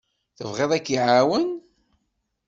Tebɣiḍ ad k-iɛawen?